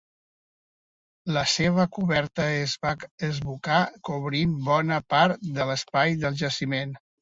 La seva coberta es va esbucar cobrint bona part de l'espai del jaciment.